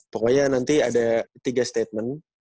pokoknya nanti ada tiga statement